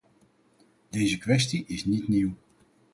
Deze kwestie is niet nieuw.